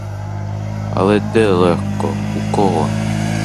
Але де легко, у кого?